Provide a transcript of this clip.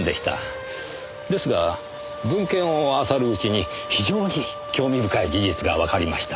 ですが文献をあさるうちに非常に興味深い事実がわかりました。